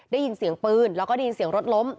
ได้ยินเสียงปืนแล้วก็ได้ยินเสียงรถล้ม